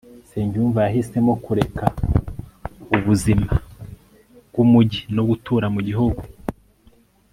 nsengiyumva yahisemo kureka ubuzima bwumujyi no gutura mugihugu